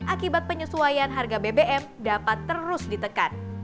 akibat penyesuaian harga bbm dapat terus ditekan